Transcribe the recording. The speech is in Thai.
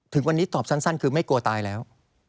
ถึงวันนี้ตอบสั้นคือไม่กลัวตายแล้ว